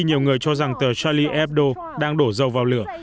nhiều người cho rằng tờ charlie hebdo đang đổ dầu vào lửa